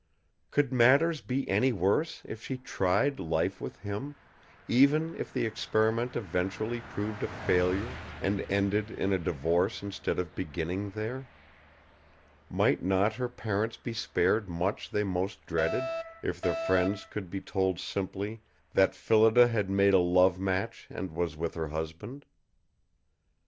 Could matters be any worse if she tried life with him, even if the experiment eventually proved a failure and ended in a divorce instead of beginning there? Might not her parents be spared much they most dreaded, if their friends could be told simply that Phillida had made a love match and was with her husband?